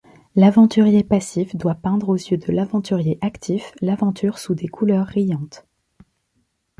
L'aventurier passif doit peindre aux yeux de l'aventurier actif l'aventure sous des couleurs riantes.